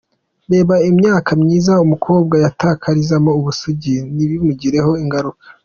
Reba imyaka myiza umukobwa yatakarizamo ubusugi ntibimugireho ingaruka.